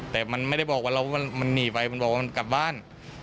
แต่มันไม่ได้บอกว่าเรามันหนีไปมันบอกว่ามันกลับบ้าน